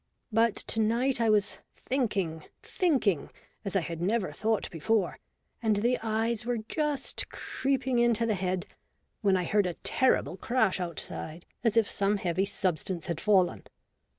But to night I was thinking, thinking, as I had never thought before, and the eyes were just creeping into the head, when I heard a terrible crash outside as if some heavy substance had fallen.